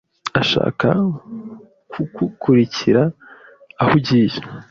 ashaka kugukurikira aho ugiye